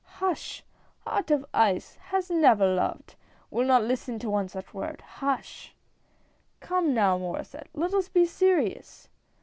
" Hush ! Heart of ice — has never loved !— Will not listen to one such word. Hush !"" Come now, Mauresset, let us be serious."